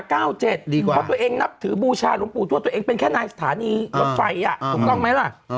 เพราะตัวเองนับถือบูชาหลวงปู่ทวดตัวเองเป็นแค่นายสถานีรถไฟถูกต้องไหมล่ะ